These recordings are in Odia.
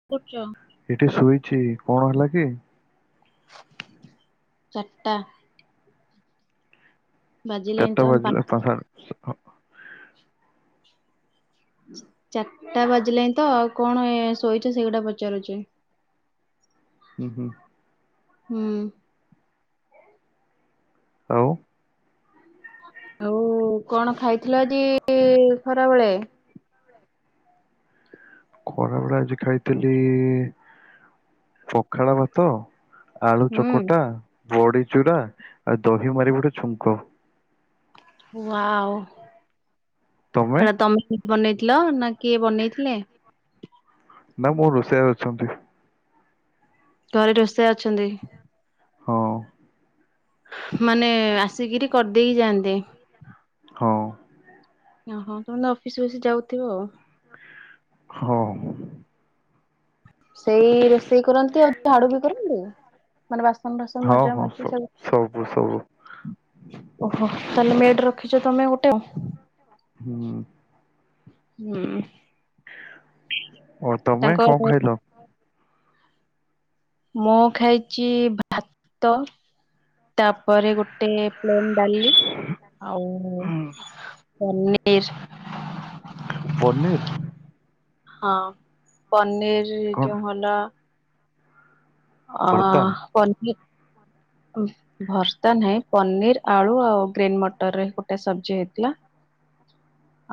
[unintelligible] ଏଠି ଶୋଇଛି। କଣ ହେଲା କି? ଚାରଟା। ବାଜିଲାଣି ଚାରିଟା ତ ପା ବାଜିଲା। [unintelligible] ଚାରଟା ବାଜିଲାଣିି ତ ଆଉ କଣ ଶୋଇଚ ସେଇଗୁଡା ପଚାରୁଚି। ହୁଁ ହୁଁ ହୁଁ। ଆଉ ଆଉ କଣ ଖାଇଥିଲ ଆଜି ଖରା ବେଳେ? ଖରାବେଳେ ଆଜି ଖାଇଥିଲି ପଖାଳ ଭାତ ଆଳୁ ହୁଁ। ଚକଟା, ବଡି ଚୁରା ଆଉ ଦହି ମାରି ଗୋଟେ ଛୁଙ୍କ। ୱାଓ ତମେ ସେଟା ତମେ ବନେଇଥିଲ ନା କିଏ ବନେଇଥିଲେ? ନା ମୋ ରୋଷେଇଆ ଅଛନ୍ତି। ତାହେଲେ ରୋଷେଇଆ ଅଛନ୍ତି। ହଁ। ମାନେ ଆସିକିରି କରିଦେଇକି ଯାଆନ୍ତି। ହଁ। ଅ ହଁ। ତମେ ଅଫିସ ଫପିସ୍ ଯାଉଥିବ। ହଁ। ସେଇ ରୋଷେଇ କରନ୍ତି ଆଉ ଝାଡୁ ବି କରନ୍ତି? ମାନେ ବାସନ ଫାସନ ହଁ ମଜା ହଁ ସ ମଜି ସବୁ ସବୁ ଓହୋ ତାହେଲେ ମେଡ ରଖିଛ ତମେ ଗୋଟେ ଆଉ? ହୁଁ। ହୁଁ। ଓ ତମେ କଣ ତାଙ୍କ ଖାଇଲ? ମୁଁ ଖାଇଚି ଭାତ ତାପରେ ଗୋଟେ ପ୍ଲେନ୍ ଡାଲି, ଆଉ ପନୀର୍ ପନିର? ହଁ ପନିର କଣ ଯୋଉ ହେଲା ଭର୍ତ୍ତା ଅ ପ [unintelligible] ଭର୍ତା ନାହିଁ ପନିର ଆଳୁ ଆଉ ଗ୍ରୀନ୍ ମଟରରେ ଗୋଟେ ସବଜି ହେଇଥିଲା।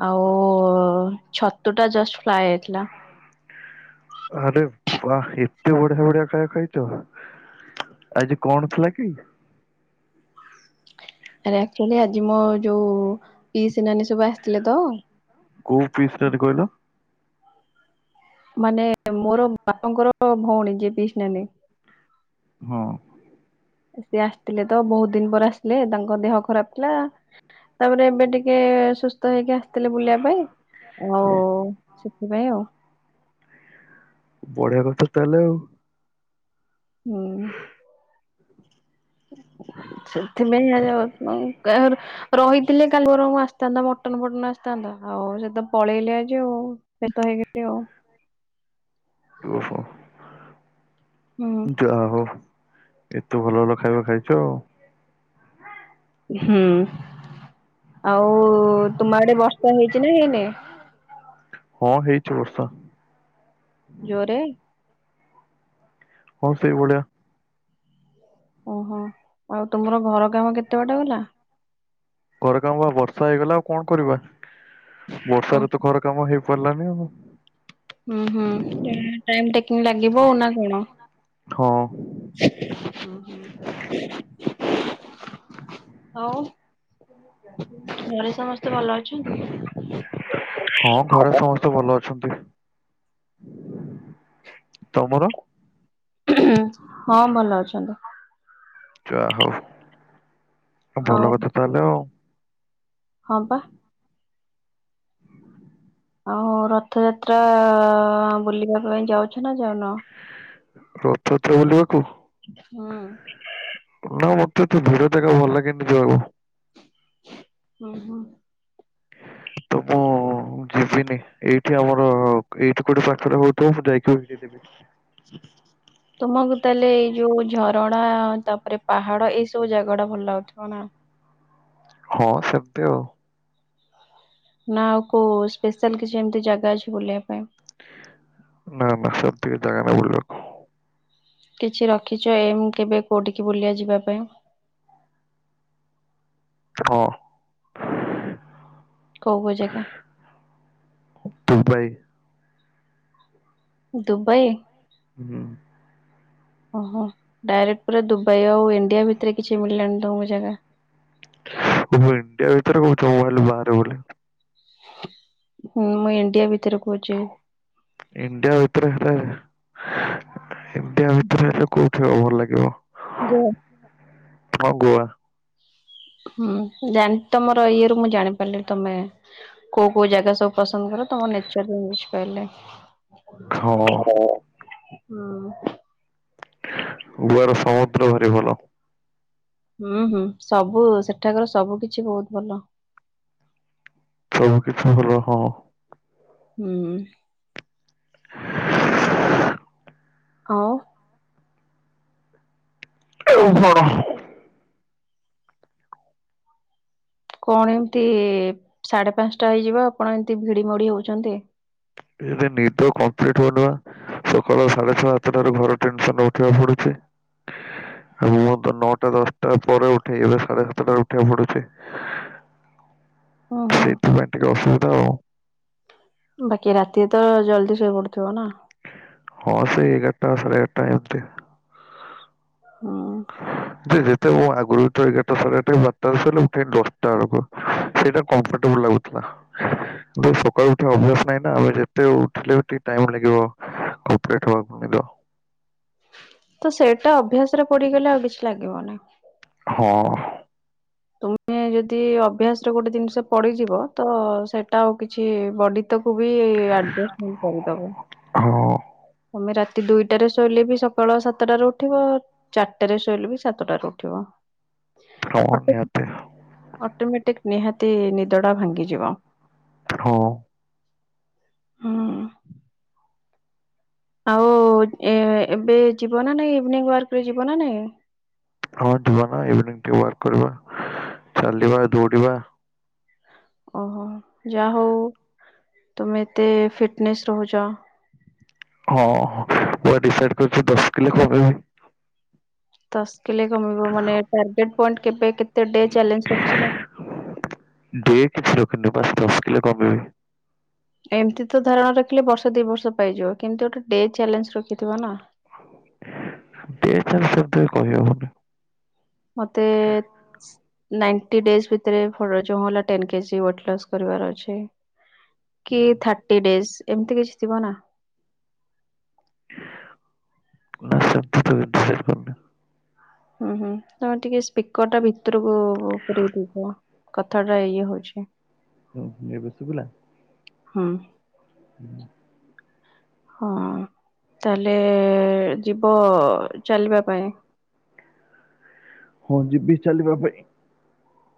ଆଉ ଛତୁ ଟା ଜଷ୍ଟ ଫ୍ଲାଏ ହେଇଥିଲା। ଆରେ ବା ଏତେ ବଢିଆ ବଢିଆ ଖାଇବା ଖାଇଚ? ଆଜି କଣ ଥିଲା କି? ଆରେ ଆକ୍ଚୁଆଲି ଆଜି ମୋ ଯୋଉ ପିଇସି ନାନୀ ସବୁ ଆସିଥିଲେ ତ କୋଉ ପିସି ନାନୀ କହିଲ? ମାନେ ମୋର ବାପାଙ୍କର ଭଉଣୀ ଯିଏ ପିସି ନାନୀ। ହଁ। ସିଏ ଆସିଥିଲେ ତ ବହୁତ ଦିନ ପରେ ଆସିଲେ। ତାଙ୍କ ଦେହ ଖରାପ ଥିଲା ତାପରେ ଏବେ ଟିକେ ସୁସ୍ଥ ହେଇକି ଆସିଥିଲେ ବୁଲିବା ପାଇଁ ସେଥିପାଇଁ ଆଉ। ବଢିଆ କଥା ତାହେଲେ ଆଉ। ହୁଁ। [unintelligible] ରହିଥିଲେ କାଲି ବରମ ଆସିଥାନ୍ତା ମଟନ ଫଟନ ଆସିଥାନ୍ତା ଆଉ ସେ ତ ପଳେଇଲେ ଆଜି ଆଉ। ସେ [unintelligible] ଆଉ। ଓହୋ। ହୁଁ। ଜା ହୋଉ ଏତେ ଭଲ ଭଲ ଖାଇବା ଖାଇଚ ଆଉ। ହୁଁ। ଆଉ ତୁମ ଆଡେ ବର୍ଷା ହେଇଛି ନା ହେଇନି। ହଁ ହେଇଚି ବର୍ଷା। ଜୋରେ? ହଁ ସେଇ ଭଳିଆ। ଓହୋ। ଆଉ ତମର ଘର କାମ କେତେବାଟ ଗଲା? ଘର କାମ ବା ବର୍ଷା ହେଇଗଲା ଆଉ କଣ କରିବା ଓ ବର୍ଷାରେ ତ ଘର କାମ ହେଇପାରିଲାନି ଆଉ। ଉ ହୁଁ ଟାଇମ ଟେକିଂ ଲାଗିବ ନା କଣ? ହଁ ଅ ହଁ। ଆଉ ଘରେ ସମସ୍ତେ ଭଲ ଅଛନ୍ତି? ହଁ ଘରେ ସମସ୍ତେ ଭଲ ଅଛନ୍ତି। ତମର? ହଁ ଭଲ ଅଛନ୍ତି। ଜା ହଉ ଆଉ ଭଲ କଥା ତାହାଲେ ଆଉ। ହଁ ପା। ଆଉ ରଥଯାତ୍ରା ବୁଲିବା ପାଇଁ ଯାଉଛ ନା ଯାଉନ? ରଥଆତ୍ରା ବୁଲିବାକୁ? ହୁଁ। ନା ମତେ ଏତେ ଭିଡ ଜାଗା ଭଲ ଲାଗେନି ଯିବାକୁ। ଓ ହୋ। ତ ମ ମୁଁ ଯିବିନି ଏଇଠି ଆମର ଏଇଠି କୋଉଠି ପାଖରେ ହଉଥିବ ମୁଁ ଯାଇକି [unintelligible] [unintelligible] ତୁମକୁ ତାହେଲେ ଏଇ ଯୋଉ ଝରଣା ତାପରେ ପାହାଡ ଏଇ ସବୁ ଜାଗା ଟା ଭଲ ଲାଗୁଥିବ ନା। ହଁ ସେମତି ଆଉ। ନା ଆଉ କଉ ସ୍ପେଶାଲ କିଛି ଏମିତି ଜାଗା ଅଛି ବୁଲିବା ପାଇଁ। ନା ନା ସେମତି ଜାଗା ନାଇଁ ବୁଲିବାକୁ। କିଛି ରଖିଛ ଏମ୍ କେବେ କଉଠିକି ବୁଲିବା ଯିବା ପାଇଁ? ହଁ। କୋଉ କୋଉ ଜାଗା? ଦୁବାଇ। ଦୁବାଇ। ହୁଁ। ଓହୋ ଡାଇରେକ୍ଟ ପୁରା ଦୁବାଇ ଆଉ ଇଣ୍ଡିଆ ଭିତରେ କିଛି ମିଳିଲାଣି ତମକୁ ଜାଗା। ତମେ ଇଣ୍ଡିଆ ଭିତରେ କହୁଛ ମୁଁ ଭାବିଲି ବାହାରେ ବୋଲି। ମୁଁ ଇଣ୍ଡିଆ ଭିତରେ କହୁଛି। ଇଣ୍ଡିଆ ଭିତରେ ହେଲେ, ଇଣ୍ଡିଆ ଭିତରେ ହେଲେ କୋଉଠି ଭଲ ଲାଗିବ? ଗୋଆ। ହଁ ଗୋଆ। ହୁଁ ଜାଣି ତମର ଇଏ ରୁ ମୁଁ ଜାଣି ପାରିଲି ତମେ କୋଉ କୋଉ ଜାଗା ସବୁ ପସନ୍ଦ କର ତମ ନେଚର ରୁ ମୁଁ ବୁଝିପାରଲି। ହଁ ହୁଁ। ଗୋଆ ର ସମୁଦ୍ର ଭାରି ଭଲ। ହୁଁ ହୁଁ ସବୁ ସେଠାକାର ସବୁ କିଛି ବହୁତ ଭଲ। ସବୁ କିଛି ଭଲ ହଁ। ହୁଁ। [inaudible] ଆଉ। ଆଉ କଣ? କଣ ଏମିତି ସାଢ଼େ ପାଞ୍ଚଟା ହେଇଯିବ ଆପଣ ଏମିତି ଭିଡ଼ି ମୋଡ଼ି ହଉଛନ୍ତି। ଏଇ ନିଦ କମ୍ପ୍ଲିଟ ହଉ ନି ବା। ସକାଳ ସାଢେ ସାତଟାରୁ [unintelligible] ଟେନସନ ଉଠିବାକୁ ପଡୁଛି। ଆଉ ମୁ ତ ନଅଟା ଦଶଟା ପରେ ଉଠେ। ଏବେ ସାଢେ ସାତଟାରୁ ଉଠିବାକୁ ପଡୁଛି। ହୁଁ ହୁଁ। ସେଇଥିପାଇଁ ଟିକେ ଅସୁବିଧା ଆଉ। ବାକି ରାତିରେ ତ ଜଲଦି ଶୋଇ ପଡୁଥିବ ନା। ହଁ ସେଇ ଏଗାରଟା ସାଢେ ଏଗାରଟା ଏମତି। ହୁଁ। ଯେ ଯେତେ ମୁଁ ଆଗରୁ ଉଠେ ଏଗାରଟା, ସାଢେ ଏଗାରଟା, ବାରଟା ବେଳେ ଶୋଇଲେ ଉଠେ ଦଶଟା ବେଳକୁ। ସେଇଟା କମ୍ଫର୍ଟେବଲ ଲାଗୁଥିଲା। ସକାଳୁ ଉଠିବା ଅଭ୍ୟାସ ନାହିଁ ନା ଆମେ ଯେତେ ଉଠିଲେ ବି ଟିକେ ଟାଇମ ଲାଗିବ। କମ୍ପ୍ଲିଟ ହେବା ପାଇଁ [unintelligible] ତ ସେଇଟା ଅଭ୍ୟାସ ରେ ପଡିଗଲେ ଆଉ କିଛି ଲାଗିବ ନାହିଁ। ହଁ। ତୁମେ ଯଦି ଅଭ୍ୟାସରେ ଗୋଟେ ଜିନିଷ ପଡିଯିବ ତ ସେଇଟା ଆଉ କିଛି ବଡି ତାକୁ ବି ଆଡ଼ଜଷ୍ଟ ହିଁ କରିଦେବ। ହଁ ତମେ ରା ତି ଦୁଇଟାରେ ଶୋଇଲେ ବି ସକାଳ ସାତଟାରେ ଉଠିବ, ଚାରିଟାରେ ଶୋଇଲେ ବି ସାତଟାରୁ ଉଠିବ। [unintelligible] ନିହାତି। ଅଟୋମେଟିକ ନିହାତି ନିଦଟା ଭାଙ୍ଗିଯିବ। ହଁ। ହୁଁ ଆଉ ଏ ଏବେ ଯିବ ନା ନାଇଁ ଇଭିନିଂ ୱାର୍କରେ ଯିବ ନା ନାଇଁ। ହଁ ଯିବା ନା ଇଭିନିଂ ଟିକେ ୱାର୍କ କରିବା। ଚାଲିବା ଦୌଡ଼ିବା। ଓହୋ। ଯାହା ହଉ ତମେ ଏତେ ଫିଟନେସ୍ ରହୁଛ। ହଁ ପୁରା ଡିସାଇଡ୍ କରିଛି ଦଶ କିଲୋ କମିବି। ଦଶ କିଲେ କମିବ ମାନେ ଟାର୍ଗେଟ୍ ପଏଣ୍ଟ କେବେ କେତେ ଡ଼େ ଚାଲେଞ୍ ରଖିଛନ୍ତି? ଡେ କିଛି ରଖିନି ବାସ୍ ଦଶ କିଲୋ କମେଇିବି। ଏମିତି ତ ଧାରଣା ରଖିଲେ ବର୍ଷ ଦି ବର୍ଷ ପାଇଯିବ କିନ୍ତୁ ଗୋଟେ ଡେ ଚ୍ୟାଲେଞ୍ଜ ରଖିଥିବ ନା। ଡେ [unintelligible] କହି ହବନି। ମୋତେ ନାଣ୍ଟି ଡେଜ୍ ଭିତରେ ଫର୍ ରଜ ମହଲା ଟେନ୍ କେଜି ୱେଟ୍ ଲସ୍ କରିବାର ଅଛି। କି ଥାର୍ଟି ଡେଜ୍ ଏମିତି କିଛି ଥିବ ନା? ନା ସାର୍ ଦୁଟ କିନ୍ତୁ ସେ କର ନା [unintelligible] ହୁଁ ହୁଁ। ତମେ ଟିକେ ସ୍ପିକର ଟା ଭିତରକୁ ପୂରେଇ ଦେଇଛ? କଥା ଟା ଇଏ ହଉଛି। ହୁ ଏବେ ଶୁଭିଲା? ହୁଁ। ହୁଁ ହଁ ତାହେଲେ ଯିବ ଚାଲିବା ପାଇଁ? ହଁ ଯିବି ଚାଲିବା ପାଇଁ।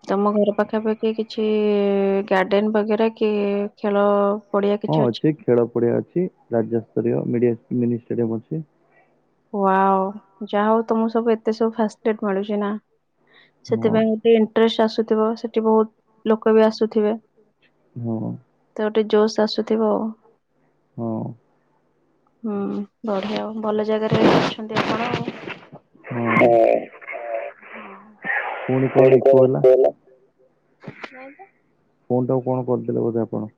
ତମ ଘର ପାଖାପାଖି କିଛି ଗାର୍ଡେନ ବଗେରା କି ଖେଳ ପଡିଆ ହଁ କିଛି ଅଛି ଖେଳ ପଡିଆ ଅଛି। ରାଜ୍ୟସ୍ତରୀୟ ମିଡିଆ ମିନିଷ୍ଟାଡିୟମ ଅଛି। ଉଆଓ, ଯାହା ହଉ ତମ ସବୁ ଏତେ ସବୁ ଫାଷ୍ଟ ଟେଟ୍ ମିଳୁଛି ନା ହଁ ସେଥିପାଇଁ ଇଣ୍ଟ୍ରେଷ୍ଟ ଆସୁଥିବ, ସେଠି ବୋହୁତ୍ ଲୋକ ବି ଆସୁଥିବେ? ହଁ। ତ ଗୋଟେ ଜୋସ୍ ଆସୁଥିବ। ହଁ ହୁଁ ବଢିଆ ଭଲ ଜାଗା ରେ ଅଛନ୍ତି ଆପଣ। ହଁ। ଫୁଣି କଣ ଇକୋ ହେଲା? ନାଇଁ ତ। ଫୋନ୍ ଟାକୁ କଣ କରିଦେଲେ ବୋଧେ ଆପଣ?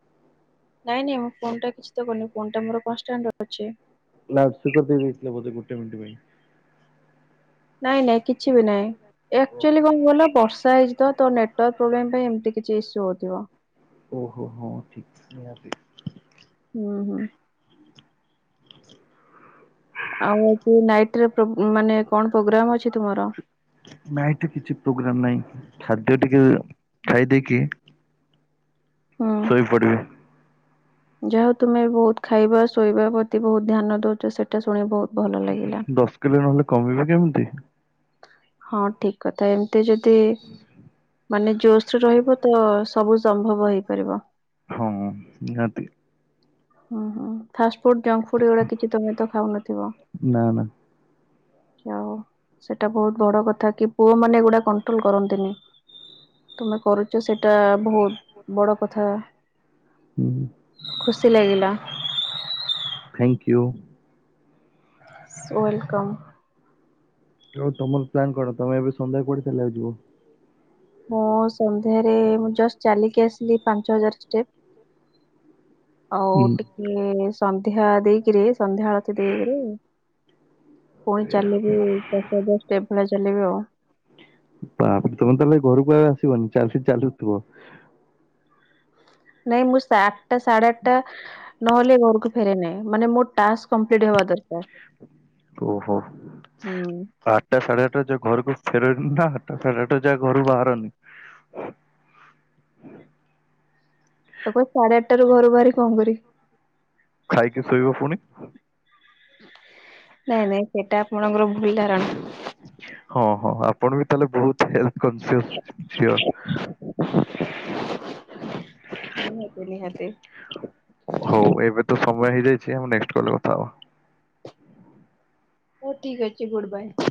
ନାଇଁ ନାଇଁ ମୁଁ ଫୋନ୍ ଟା କିଛି ତ କରିନି, ଫୋନ୍ ଟା ମୋର କନଷ୍ଟାନ୍ଟ ଅଛି। ଲାଉଡ୍ ସ୍ପିକର ଦେଇଦେଇଥିଲେ ବୋଧେ ଗୋଟେ ମିଣ୍ଟି ପାଇଁ? ନାଇଁ ନାଇଁ କିଛି ବି ନାଇଁ। ଏ ଆକ୍ଚୁଆଲି କଣ କହିଲ ବର୍ଷା ର୍ଷା ହେଇଚି ତ ନେଟୱାର୍ ପ୍ରୋବ୍ଲେମ୍ ପାଇଁ ଏମିତି କିଛି ଇସୁ ହଉଥିବ। ଓହୋ ହଁ ଠିକ୍ ନିହାତି। ହୁଁ, ହୁଁ। ଆଉ କି ନାଇଟ୍ ରେ କି ମାନେ କଣ ପ୍ରୋଗ୍ରାମ ଅଛି ତୁମର? ନାଇଟ୍ ରେ କିଛି ପ୍ରୋଗ୍ରାମ ନାଇଁ। ଖାଦ୍ୟ ଟିକେ ଖାଇ ଦେଇକି ହଁ। ଶୋଇ ପଡ଼ିବି। ଯାହା ହୋଉ ତୁମେ ବୋହୁତ୍ ଖାଇବା ଶୋଇବା ପ୍ରତି ବୋହୁତ୍ ଧ୍ୟାନ ଦଉଛ ସେଇଟା ଶୁଣି ବୋହୁତ୍ ଭଲ ଲାଗିଲା। ତେବେ ନହେଲେ କମିବ କେମିତି? ହଁ ଠିକ୍ କଥା ଏମିତି ଯଦି ମାନେ ଜୋସରେ ରହିବ ତ ସବୁ ସମ୍ଭବ ହେଇପାରିବ। ହଁ ଉଁ ନିହାତି। ହୁଁ ହୁଁ। ଫାଷ୍ଟ ଫୁଡ୍ ଜଙ୍କ ଫୁଡ୍ ଏଗୁଡା କିଛି ତମେ ତ ଖାଉନଥିବ? ନା ନା ଯା ହୋଉ ସେଟା ବୋହୁତ୍ ବଡ କଥା କି, ପୁଅମାନେ ଏ ଗୁଡା କଣ୍ଟ୍ରୋଲ କରନ୍ତିନି, ତମେ କରୁ ଛ ସେଟା ବୋହୁତ୍ ବଡ କଥା, ଖୁସି ଲାଗିଲା। Thank you. So welcome. ଆଉ ତମର ପ୍ଲାନ୍ କଣ? ତମେ ଏବେ ସନ୍ଧ୍ୟାକୁ କୁଆଡେ ଚାଲିବାକୁ ଯିବ? ମୁଁ ସନ୍ଧ୍ୟାରେ ମୁଁ ଜଷ୍ଟ ଚାଲିକି ଆସିଲି ପାଞ୍ଚ ହଜାର ଷ୍ଟେପ୍। ଆଉ ହୁଁ ଟିକେ ସନ୍ଧ୍ୟା ଦେଇକିରି ସନ୍ଧ୍ୟା ଆଳତି ଦେଇକିରି ପୁଣି ଚାଲିବି ଦଶ ହଜାର ଷ୍ଟେପ ଭଳିଆ ଚାଲିବି ଆଉ। ତାପରେ ତମେ ତାହେଲେ ଘରକୁ ଆ ଆସିବନି ଖାଲି ଚାଲୁଥିବ। ନାଇଁ ମୁଁ ଆଠଟା ସାଢେ ଆଠଟା ନହେଲେ ଘରକୁ ଫେରେ ନାଇଁ ମାନେ ମୋ ଟାକ୍ସ କମ୍ପ୍ଲିଟ୍ ହେବା ଦରକାର ଓହୋ ହୁଁ ଆ ଟା ସାଢେ ଆଠଟା ଘରକୁ ଫେରନି ନା ଆଠଟା ସାଢେ ଆଠଟା ଯାଏଁ ଘରୁ ବାହାରନି? ତ କ ସାଢେ ଆଠଟା ରୁ ଘରୁ ବାହାରି କଣ କରିବି? ଖାଇକି ଶୋଇବ ପୁଣି। ନାଇଁ ନାଇଁ ସେଟା ଆପଣଙ୍କର ଭୁଲ ଧାରଣା। ହଁ, ହଁ ଆପଣ ବି ତାହେଲେ ବହୁତ ହେଲଥ୍ କନ୍‌ସିଅସ ଝିଅ। ନିହାତି ନିହାତି। [unintelligible] ହଉ ଏବେ ତ ସମୟ ହେଇଯାଇଛି ଆମେ କଲରେ କଥା ହବା। ହଉ ଠିକ ଅଛି ଗୁଡ଼୍ ବାଏ।